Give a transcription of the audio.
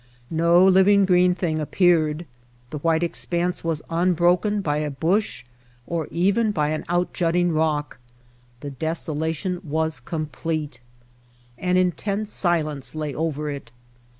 No living green thing appeared. The white expanse was un broken by a bush or even by an outjutting rock. The desolation was complete. An intense silence lay over it.